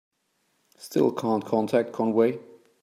Still can't contact Conway.